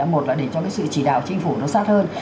một là để cho cái sự chỉ đạo chính phủ nó sát hơn